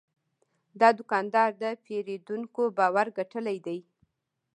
دا دوکاندار د پیرودونکو باور ګټلی دی.